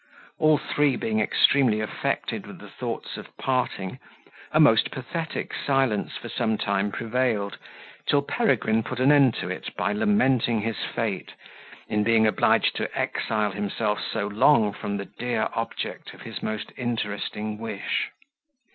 All three being extremely affected with the thoughts of parting, a most pathetic silence for some time prevailed, till Peregrine put an end to it by lamenting his fate, in being obliged to exile himself so long from the dear object of his most interesting wish.